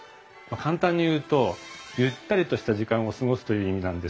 簡単に言うとゆったりとした時間を過ごすという意味なんです。